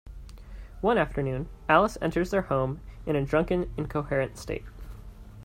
One afternoon, Alice enters their home in a drunken incoherent state.